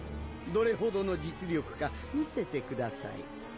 どれほどの実力か見せてください。